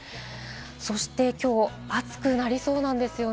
そしてきょう、暑くなりそうなんです。